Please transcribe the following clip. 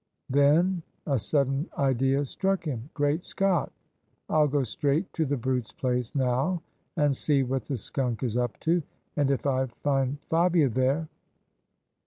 " Then a sudden idea struck him. "Great Scott 1 I'll go straight to the brute's place now and see what the skunk is up to; and if I find Fabia there